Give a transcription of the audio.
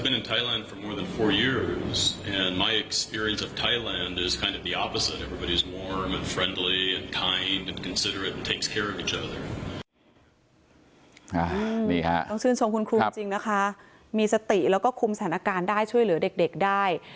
นี่ค่ะต้องชื่นชมคุณครูจริงนะคะมีสติแล้วก็คุมสถานการณ์ได้ช่วยเหลือเด็กได้